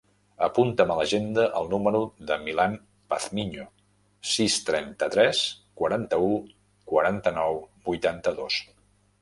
Apunta a l'agenda el número del Milan Pazmiño: sis, trenta-tres, quaranta-u, quaranta-nou, vuitanta-dos.